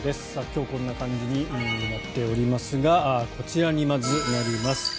今日こんな感じになってますがまずこちらになります。